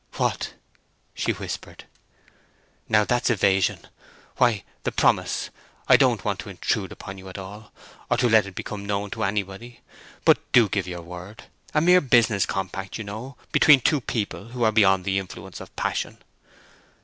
"What?" she whispered. "Now, that's evasion! Why, the promise. I don't want to intrude upon you at all, or to let it become known to anybody. But do give your word! A mere business compact, you know, between two people who are beyond the influence of passion."